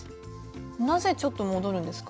なぜちょっと戻るんですか？